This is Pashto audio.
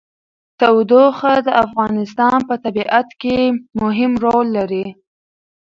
تودوخه د افغانستان په طبیعت کې مهم رول لري.